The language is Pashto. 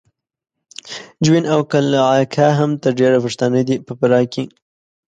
جوین او قلعه کا هم تر ډېره پښتانه دي په فراه کې